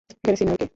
এখানে সিনিয়র কে?